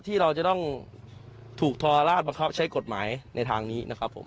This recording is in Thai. ที่เราจะต้องถูกทรราชบังคับใช้กฎหมายในทางนี้นะครับผม